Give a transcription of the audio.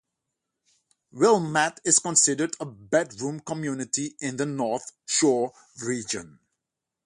Wilmette is considered a bedroom community in the North Shore region.